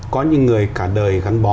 có những người cả đời gắn bó